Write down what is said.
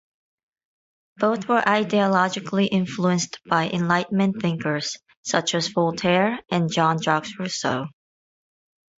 Both were ideologically influenced by Enlightenment thinkers such as Voltaire and Jean Jacques Rousseau.